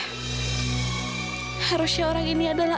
harusnya orang ini ada di dalam